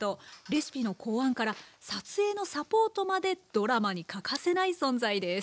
レシピの考案から撮影のサポートまでドラマに欠かせない存在です。